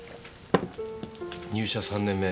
入社３年目